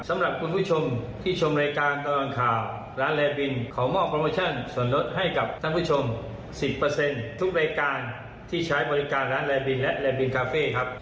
สำหรับคุณผู้ชมที่ชมรายการตลอดข่าวร้านแลบินขอมอบโปรโมชั่นส่วนลดให้กับท่านผู้ชม๑๐ทุกรายการที่ใช้บริการร้านแลบินและแรมบินคาเฟ่ครับ